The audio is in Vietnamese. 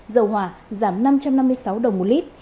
dầu hỏa giảm năm trăm năm mươi sáu đồng một lít